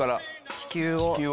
地球を。